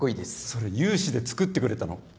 それ有志で作ってくれたの。